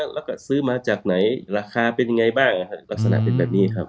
แล้วก็ซื้อมาจากไหนราคาเป็นยังไงบ้างลักษณะเป็นแบบนี้ครับ